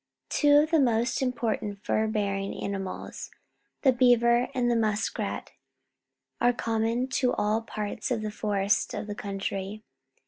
Two of the most im portant fur bearing animals, the beaver and the musk rat, are com mon to all parts of the forests of the country.